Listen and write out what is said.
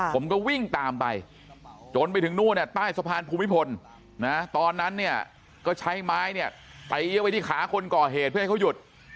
ผมก็วิ่งตามไปจนไปถึงนู่นใต้สะพานภูมิพลนะตอนนั้นเนี่ยก็ใช้ไม้เนี่ยตีเข้าไปที่ขาคนก่อเหตุเพื่อให้เขาหยุด